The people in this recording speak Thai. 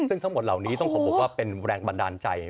ซึ่งทั้งหมดเหล่านี้ต้องขอบอกว่าเป็นแรงบันดาลใจ